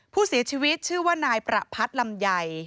ผู้เสียชีวิตชื่อว่านายประพัทธ์ลำไย